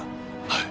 はい。